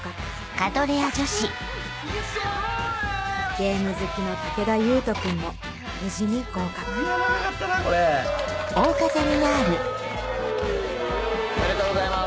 ゲーム好きの武田勇人君も無事に合格イェ！おめでとうございます。